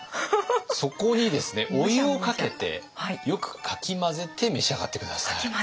そこにですねお湯をかけてよくかき混ぜて召し上がって下さい。